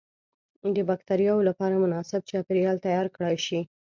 د بکترياوو لپاره مناسب چاپیریال تیار کړای شي.